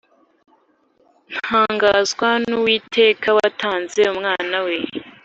Ntanganzwa n’uwiteka watanze umwana we